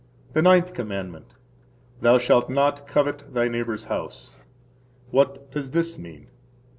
The Ninth Commandment. Thou shalt not covet thy neighbor's house. What does this mean?